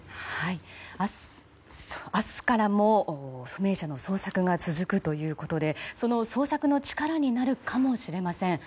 明日からも不明者の捜索が続くということでその捜索の力になるかもしれません。